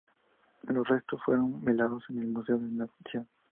Sus restos fueron velados en el Museo de la Nación.